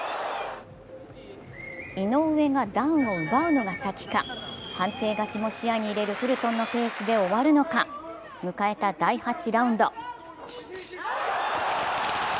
井上がダウンを奪うのが先か、判定勝ちも視野に入れるフルトンのペースで終わるのか迎えた第８ラウンド。